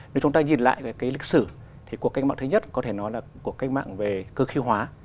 nếu chúng ta nhìn lại cái lịch sử thì cuộc cách mạng thứ nhất có thể nói là cuộc cách mạng về cơ khí hóa